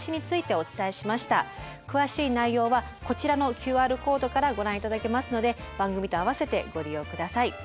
詳しい内容はこちらのＱＲコードからご覧いただけますので番組と合わせてご利用ください。